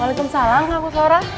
waalaikumsalam kak koswara